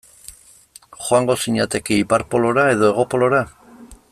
Joango zinateke Ipar Polora edo Hego Polora?